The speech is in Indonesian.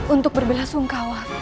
untuk berbela sungkawa